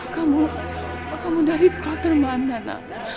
kamu kamu dari kloter mana nak